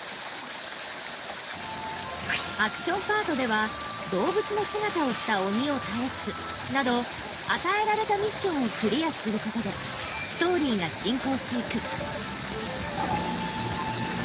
アクションパートでは「動物の姿をした鬼を倒す」など与えられたミッションをクリアすることでストーリーが進行していく。